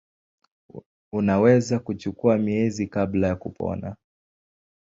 Unaweza kuchukua miezi kabla ya kupona.